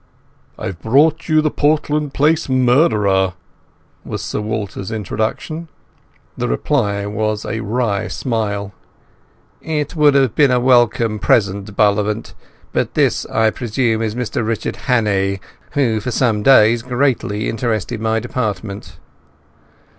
"I've brought you the Portland Place murderer," was Sir Walter's introduction. The reply was a wry smile. "It would have been a welcome present, Bullivant. This, I presume, is Mr Richard Hannay, who for some days greatly interested my department."